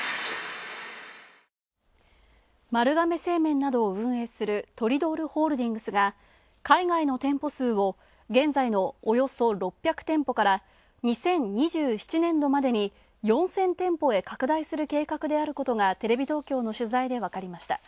丸亀製麺などを運営するトリドールホールディングスが海外の店舗数を現在のおよそ６００店舗から２０２７年度までに４０００店舗へ拡大する計画であることがテレビ東京の取材でわかりました。